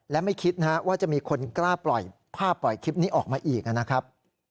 และไม่คิดว่าจะมีคนกล้าปล่อยภาพปล่อยคลิปนี้ออกมาอีกนะครับ